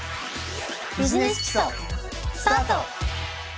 「ビジネス基礎」スタート！